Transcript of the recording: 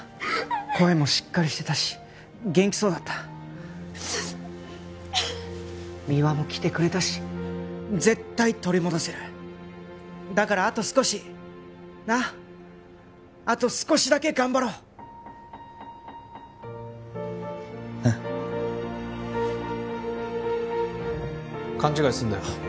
声もしっかりしてたし元気そうだった三輪も来てくれたし絶対取り戻せるだからあと少しなっあと少しだけ頑張ろうああ勘違いすんなよ